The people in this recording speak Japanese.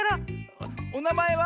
「おなまえは？」。